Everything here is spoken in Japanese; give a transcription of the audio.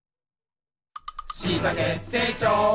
「しいたけ成長」